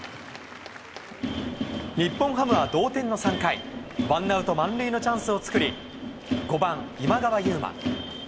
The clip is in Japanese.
日本ハムは同点の３回、ワンアウト満塁のチャンスを作り、５番今川優馬。